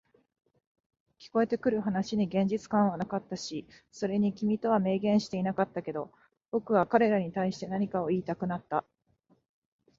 聞こえてくる話に現実感はなかったし、それに君とは明言してはいなかったけど、僕は彼らに対して何かを言いたくなった。